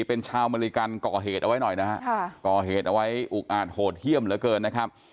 เป็นชาวอเมริกันก่อเหตุเอาไว้หน่อยนะฮะก่อเหตุเอาไว้อุกอาจโหดเยี่ยมเหลือเกินนะครับ